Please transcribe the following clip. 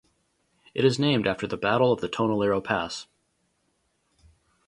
It is named after the Battle of the Tonelero Pass.